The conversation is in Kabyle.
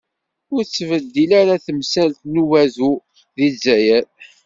Ur tettbeddil ara temsalt n udabu di Zzayer.